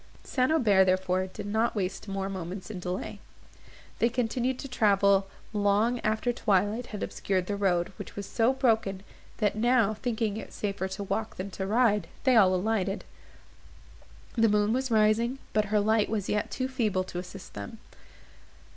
St. Aubert, therefore, did not waste more moments in delay. They continued to travel long after twilight had obscured the road, which was so broken, that, now thinking it safer to walk than to ride, they all alighted. The moon was rising, but her light was yet too feeble to assist them.